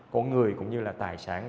của người cũng như là tài sản